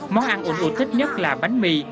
món ăn unut thích nhất là bánh mì